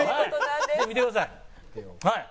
見てください！